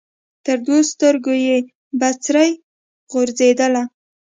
تر دوو سترګو یې بڅري غورځېدله